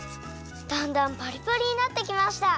だんだんパリパリになってきました！